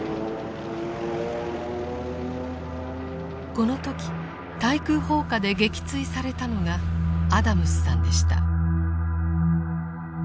この時対空砲火で撃墜されたのがアダムスさんでした。